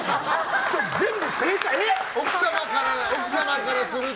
それ全部、正解！